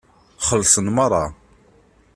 Xellṣen meṛṛa.